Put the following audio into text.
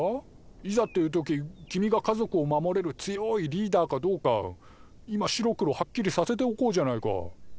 いざっていう時君が家族を守れる強いリーダーかどうか今白黒はっきりさせておこうじゃないか。